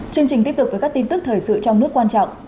chương trình tiếp tục với các tin tức thời sự trong nước quan trọng